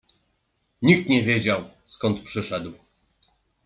Nikt nie wiedział, skąd przyszedł.